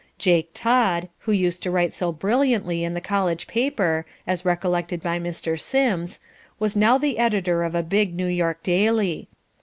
Jake Todd, who used to write so brilliantly in the college paper, as recollected by Mr. Sims, was now the editor of a big New York daily.